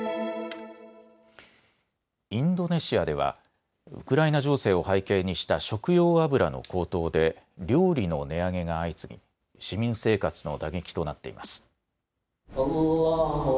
インドネシアではウクライナ情勢を背景にした食用油の高騰で料理の値上げが相次ぎ市民生活の打撃となっています。